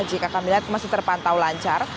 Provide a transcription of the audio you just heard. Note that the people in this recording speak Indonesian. jika kami lihat masih terpantau lancar